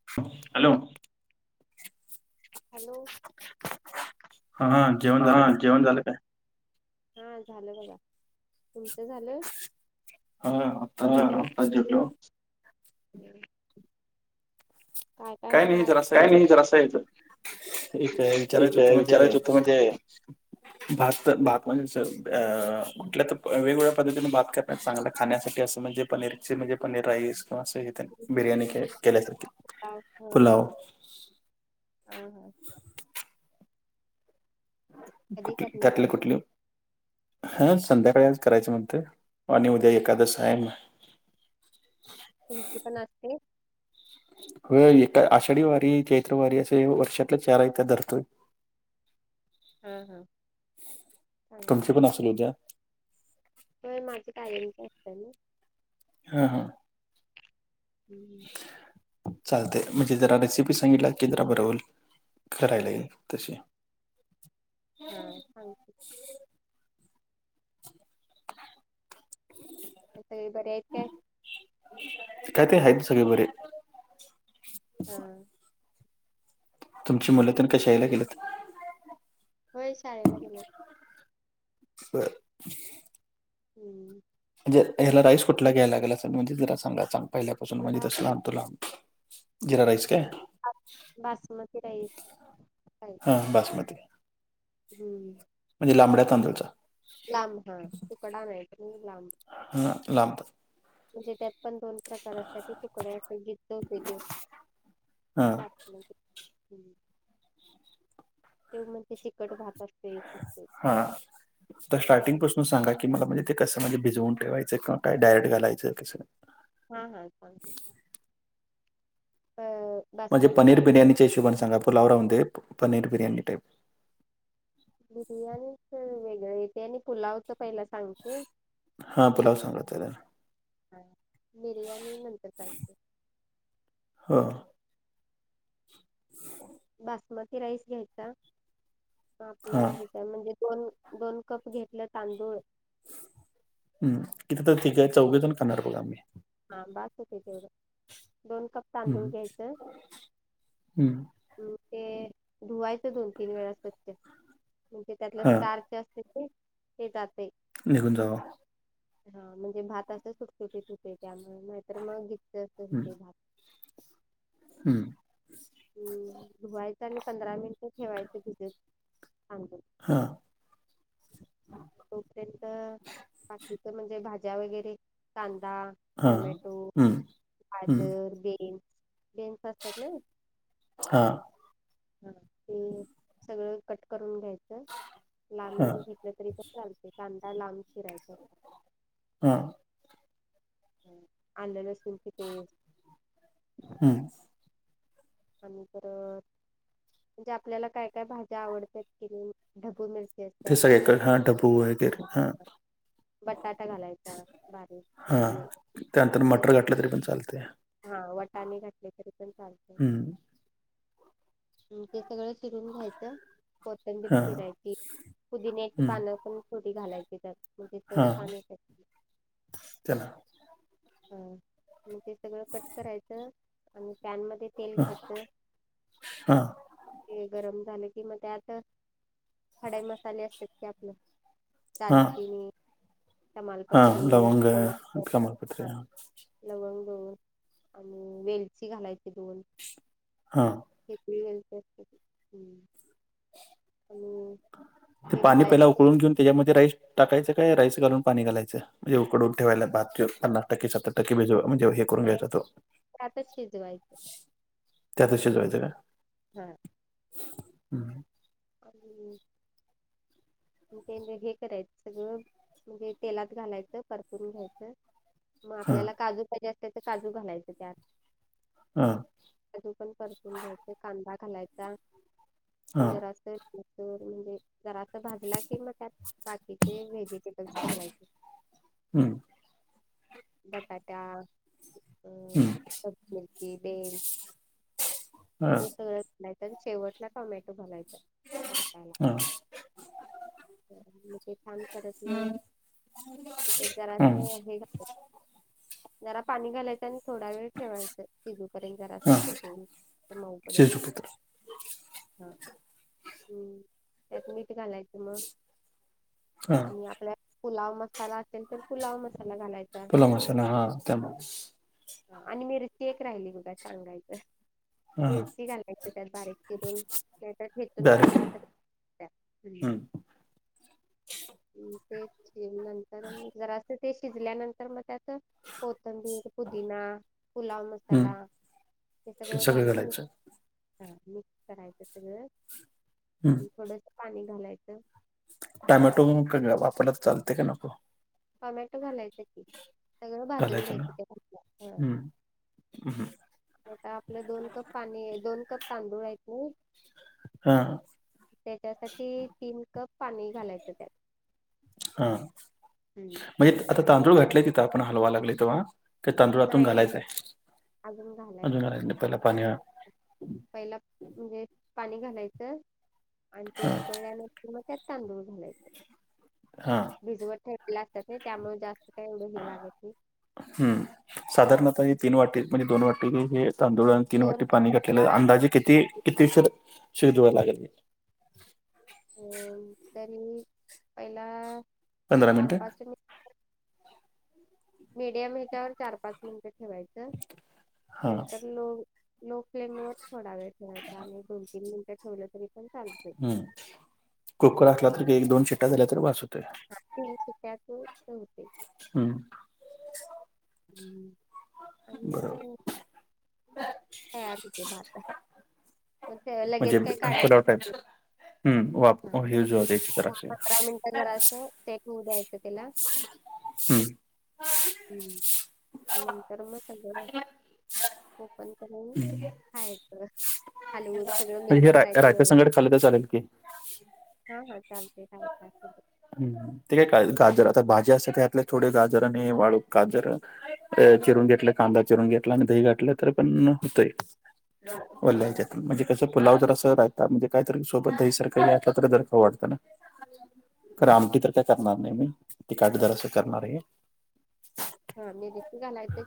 [unintelligible] Hello hello हा हा जेवण झालं हा काय? जेवण झालं काय? हा झालं बघा तुमचं झालं? हा आत्ताच हा जेवलो. आता जेवलो. काय काय मग नाही आज जरा असं काय यायचं नाही ज असं आहे एक विचारायचं होत म्हणजे होतं म्हणजे भात तर भात म्हणजे अ कुठल्या तर वेगवेगळ्या पद्धतीने भात कर चांगलं खाण्यासाठी असं म्हणजे पनीरचे म्हणजे पनीर राईस किंवा असं बिर्याणी केल्यासारखी हम्म पुलाव हम्म हम्म [unintelligible] कुठली त्यातली कुठली? हा संध्याकाळीच करायचं म्हणते आणि उद्या एकादशी आहे ना? तुमची पण असती? होय एका आषाढी वारी चैत्र वारी असे वर्षातला चारा आहेत त्या धरतोय. हम्म हम्म तुमची पण असु द्या होय माझं कायम असतं ना हा हा हम्म चालते म्हणजे जरा रेसिपी सांगितला की जरा बरं होइल करायला येईल तशी हा सांगते ओ ताई बरे आहेत काय? काय ते आहेत सगळे बरे हा तुमची मुलं तर काय शाळेला गेलंत होय शाळेला गेलेत. हम्म म्हणजे ह्याला राईस कुठला घ्यायला लागेल असं म्हणजे जरा सांगा सांग पहिल्यापासून म्हणजे तसं आणतो जिरा राईस काय? बासुमती राईस हा बासमती म्हणजे लांबड्या तांदूळचा? लांब हा तुकडा नाही तर लांब हा लांबत म्हणजे त्यात पण दोन प्रकार असते ते तुकड्या असं गिच होते तो हां भात हो ह् तेव म्हणजे ते चिकट भात असतंय. हा आता स्टार्टिंगपासून सांगा की मला म्हणजे ते कसं म्हणजे भिजवून ठेवायचं काय डायरेक्ट घालायचं कसं? हां हां सांगतो. अ म्हणजे पनीर बिर्याणीच्या हिशोबाण सांगा पुुलाव राहूदे पनीर बिर्याणी टाईप. बिर्याणीच वेगळ येतय आणि पुलावच पहिला स सांगते हां पुलाव सांगा त्याला हा, बिर्याणी नंतर सांगते. हा. [inaudible] बासमती राईस घ्यायचा म हां आपल्या हे म्हणजे दोन- दोन कप घेतल तांदूळ हम्म किती तर ठीक हाय चौघेजण खाणार बघ आम्ही. हां बास होतय तेवढं, दोन कप तांदूळ हं, घ्यायचं हं. म ते धुवायचं दोन, तीन वेळा स्वच्छ म्हणजे त्यातला हां स्टार् जे असतय ते ते जातय. निघून जाव हा म्हणजे भात असं सुटसुटीत होतोय त्यामुळ नाहीतर मग गीच असं होतोय भात. हम्म. हम् धुवायचं आणि पंधरा मिनिटं ठेवायचं भीजत तांदूळ. हां. तोपर्यंत बाकीच म्हणजे भाज्या वगैरे कांदा हां. टॉमॅटो, हं, हं. गाजर, बीन्स बीन्स असतात ना हां. हा ते सगळं कट करून घ्यायचं लांब- हां, लांब घे तल तरी पण चालतय कांदा लांब चिरायचा हां. आल्ल, लसुनची पेस्ट हम्म. आणि परत ज्या आपल्याला काय काय भाज्या आवडत्यात कि नी ढबू मि ते सगळ का हा डबू वगैरे ते हा. बटाटा घालायचा. हा त्यानंतर मटर घातलं तरी पण चालतय? हां वटाने घातले तरी पण चाल हम ते सगळं चिरून घ्यायचं, कोथंबीर हां, चिरायची, पुदिन्याची हं, पानं पण थोडी घालायची त्यात म्हणजे चव हां. छान येते. त्याला हां. मग ते सगळं कट करायचं आणि पॅन मध्ये तेल हां, घ्यायच हां, तेल गरम झाल कि मग त्यात खडे मसाले असत्यात की आपलं हां, दालचिनी, तमालपत्री, लवंग तमालपत्री हां. लवंग दोन, आणि वेलची घालायची दोन. हां. [unintelligible] आणि ते पाणी पहिला उकळून घेऊन त्याच्यामध्ये राईस टाकायचं काय राईस घालून पाणी घालायचं. म्हणे उकडून ठेवायला भात ठेऊन पन्नास टक्के सत्तर टक्केज म्हणजे. करून घ्यायचा तो त्यातच शजवायच का? हा [inaudible] आणि [unintelligible] ते हे करायचं गं मग तेलात घालायचं परतून घ्यायचं, मग हां, आपल्याला काजू पाहिजे असत, तर काजू घालायचं त्यात- हां काजू पण परतुन घ्यायचे, कांदा घालायचा हां. जरा असं, नंतर म्हणजे जरास भाजला, कि मग त्यात बाकीचे व्हेजिटेबल्स घालायचे. हम्म [inaudible] बटाटा [unintelligible] हं. हां, ते सगळं घालायचं, आणि शेवटला टोमॅटो घालायचं. परतायला हां, मग ते छान, परतलं, की त्यात जरास हां. हे घालायचं. जरा पाणी घालायचं. थोडा वेळ ठेवायचं, शिजूपर्यंत जरा अस हां. शिजवून मऊ पडेपर्यंत. शेजुपुत्र हा हम्म त्यात मीठ घालायचं मग. हा आणि आपल्या पुलाव मसाला असेल तर पुलाव मसाला घालायचां. पुन ह त्या [unintelligible] आणि मीरची एक राहिली बघा सांगायचं. हा मिरची घालायचं त्यात बारीक चिरून, नाहीतर ठेचून डायरेक्ट घातला तरी- हम्म तेच नंतर जरा, ते शिजल्यानंतर मग त्यात कोथंबीर, पुदिना, पुलाव मसाला, हम्म हे सगळं घालून म हा मिक्स करायचं सगळं, हं थोडंस पाणी घालायचं. टोमॅटो वापरला तर चालते का नको. टोमॅटो घालायचं. सगळं भाजून घालायचं ना घ्यायचं ते, हम्म आता आपलं दोन कप पाणी दोन कप तांदूळ आहेत ना, हा त्यांच्यासाठी तीन कप पाणी घालायचं त्यात. हा म्हणजे आता तांदूळ घाटले तिथं, आपण हलवा लागले तेव्हा. का तांदुळातून घालायचंय? [unintelligible] म्हणजे पाणी घालायचं, आणि ते हा उकळल्यानंतर मग त्यात तांदूळ घालायचं. हा भिजवत ठेवलेले असतात, ते त्यामुळे जास्त काही एवढं हे लागत नाही. हम्म साधारणतः हे तीन वाटी म्हणजे दोन वाटी हे- तांदुळने तीन वाटी पाणी घातलेलं अंदाजे किती किती उशीर शिजवायला लागलं. अ तरी पहिला पंधरा मिनटं. मीडियम हेच्यावर चार पाच मिनटं ठेवायचं हा नंतर लो- लोकं फ्लेम वरं थोडां वेळं ठेवांयचा आणि दोन तीनंतर ठेवलं तरी पणं ते हम्मं कुकर असलां तरी एक दोन शिट्ट्या झाल्यां तरं बांस होते तीनं शिट्या तरं होते हम्मं हम्मं आणि बरोबर मलां तयार होते बांत मंग म्हणजे लगेच कायं काढायचं पुलाव टाईप हम्म वाप हां यूज होते दहा जरासे पंधरा मिनिटं जरां असं ते सेठंहू द्यायचं त्यांला हम्मं हम्मं आं नंतर मं चगोडां ओपन करूंन हायंच हलवूंन सगळं मिक्स करायचं व्यवस्थित अलंग चालेल की हां हां चालते चालते ते कायं गाजरं आंता भाजीसाठी आले थोडे गाजरं आणि वाळूं गाजरं अं चिरूंन घेतलं कांदा चिरूंन घेतलां आणि दही घातलं तरं पणं होतंय वल्यां यांच्यातून म्हणजे त्यां पुलांव जरं असं राहतां म्हणजे कायंतरी सोबतं दहीसारखंला तरी जरं वाटतं नां आमटी तरं कायं करणारं नाहीं मी तिकडं दर असं करणारं आहे हां मिर्ची घालायचं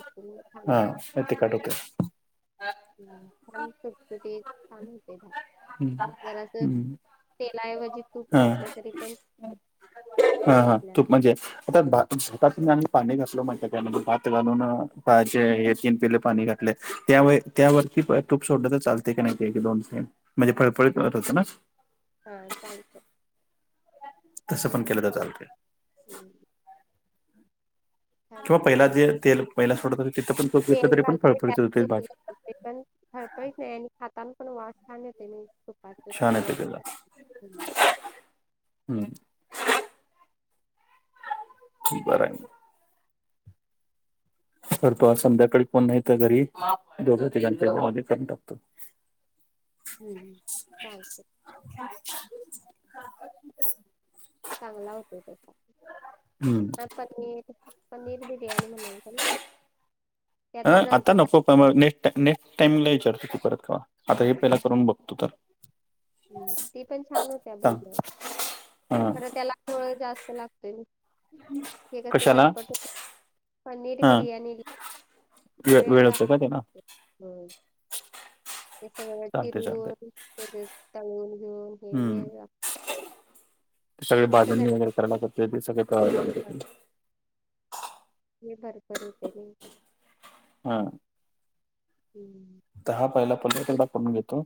खामेन लंय तेिखटं होतेसं हम्मं छान सुटसुटीत छान होते हं. जरां असं तेलांऐवजी तूंप हां, घातलं तरी पणं हां हां तूंप म्हणजे आंता भातूंन पाणी घातलं म्हहित कां भांत घालूंन काहांयचे हे तीनं पिले पाणी घातले त्यांवरती तूंप सोडलं तरं चालते कां नाहीं दोन म्हणजे पळी करं रचणांस हां चातेय तसं पणं केलं तरं चालते हम्मं किंवा पहिला जे तेल पहिला सोडतं तिथं पणं तेल घालतंय त्यां घरं पणं खरतंच नाहीं आणि खांताना पणं वांस छान येतं छानतेतलां हम्मं बरं आहे फरं तो आंज संध्याकांळी कोणं नाहीं तरं घरी दोघच्यां करूंन टाकतो हम्मं चालतंय छ हांठी चांगला होतो हं. त्यांचा पनीर पनीर बिर्याणी म्हनालतां नांव अं आंता नको कामां ने नेक्स्ट टांइमला विचारतं तूं परंत किंवा आंता हे पहिला करूंन बघतो तरं हम्मं ती पणं छान होत्यां सांग. बैला हां, खरं त्यांला ळ जास्तें लागतोय ते कसं कशाला? झटपट पनीर बिर्याणी वं वेळचं असतो कां त्यांला हम्मं हे सगळ्यां चालतंय, चालतंय. चिरवूंन त्यां तळूंन घेऊंन हम्म, सगळे बाजणी वगैरे करा करते ते सगळे हे भरभर होते ना इथ. हा हम्म तर हा पहिला पहिला करून घेतो.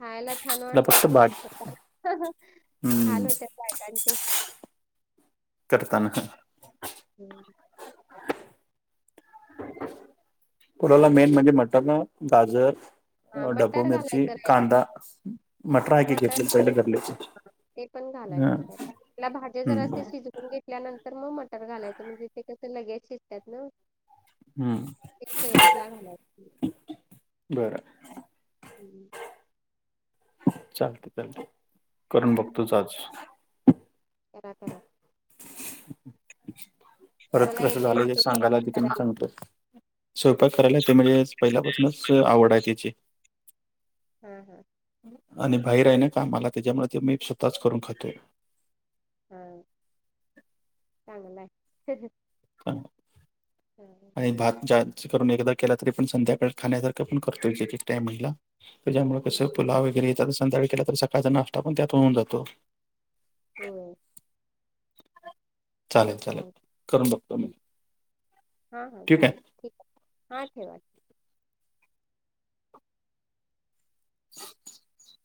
खायला छान त्याला फक्त भाज वाटत. हाल हं, होतात बायकांचे. करताना हम्म पुलावला मेन म्हणजे वटाना, गाजर ढबू मिरची, कांदा, मटर आहे कि घेतलेले पहिले धरले. ते पण घालायच त्यात. त्याला भाज्या हं, जराशा शिज वुन घेतल्यानंतर मग मटर घालायच. म्हणजे ते कस लगेच शिजतात ना. हं. ते शेवटला घालायचे. बर हम्म चालते चालते, करून बघतोच आज. करा करा परत कस झाल हे सांगायला देिकीन सांगतो. स्वयंपाक करायला ते म्हणजे, पहिल्यापासूनच आवड आहे तीची. हा हा आणि बाहेर आहे ना मला काम, त्याच्यामुळे ते मी स्वतःच करून खातो. हा चांगल आहे. [unintelligible] ह आणि भात जा करून एकदा केला, तरी पण संध्याकाळ खाण्यासारख पण करतोय एक एक टाईमाला. त्याच्यामुळे कस पुलाव वगैरे हे त संध्याकाळी केला तर सकाळचा नाष्टा पण त्यात होऊन जातो. चालेल, करून बघतो मी हा हा ठीक आहे चालेल. ठीक आहे. हा ठेवा. [inaudible]